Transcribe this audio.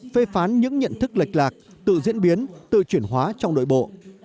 phê phán những nhận thức lệch lạc tự diễn biến tự chuyển hóa trong đội bộ